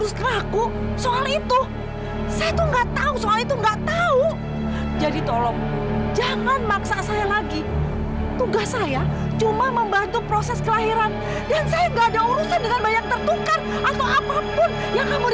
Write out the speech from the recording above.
sampai jumpa di video selanjutnya